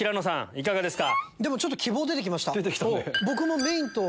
いかがですか？